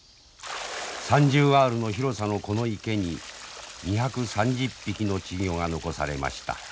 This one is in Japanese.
３０アールの広さのこの池に２３０匹の稚魚が残されました。